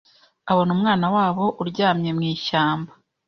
Abona umwana wabo uryamye mwishyamba